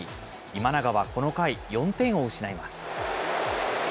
今永はこの回、４点を失います。